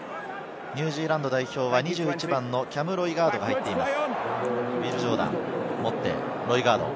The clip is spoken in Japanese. ニュージーランド代表は２１番のキャム・ロイガードが入っています。